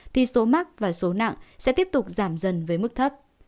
thì số mắc và số nặng sẽ tiếp tục giảm dần với mức thấp